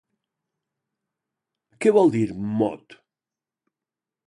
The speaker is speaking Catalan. Què vol dir Mot?